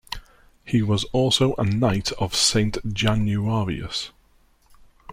He was also a Knight of Saint Januarius.